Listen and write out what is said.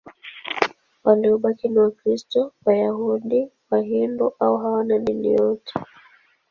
Waliobaki ni Wakristo, Wayahudi, Wahindu au hawana dini yote.